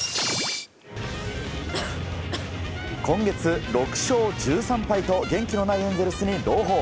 今月６勝１３敗と元気のないエンゼルスに朗報。